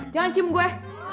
jangan cium gue